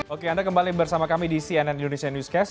oke anda kembali bersama kami di cnn tv